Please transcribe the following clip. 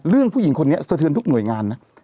ผู้หญิงคนนี้สะเทือนทุกหน่วยงานนะ